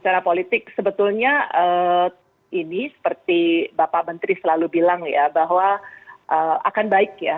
secara politik sebetulnya ini seperti bapak menteri selalu bilang ya bahwa akan baik ya